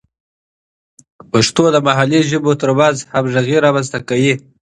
پښتو د محلي ژبو ترمنځ همغږي رامینځته کوي.